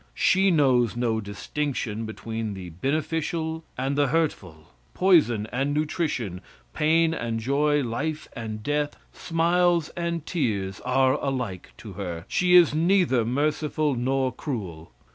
She knows no distinction between the beneficial and the hurtful. Poison and nutrition, pain and joy, life and death, smiles and tears are alike to her. She is neither merciful nor cruel.